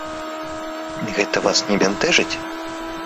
Гэта вас не бянтэжыць?